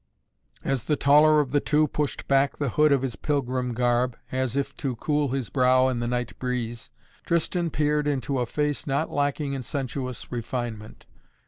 As the taller of the two pushed back the hood of his pilgrim garb, as if to cool his brow in the night breeze, Tristan peered into a face not lacking in sensuous refinement.